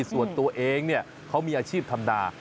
ส่วนตัวเองเนี่ยเขามีอาชีพทำนา